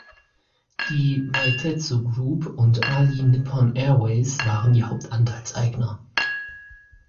Die Meitetsu Group und All Nippon Airways waren die Hauptanteilseigner.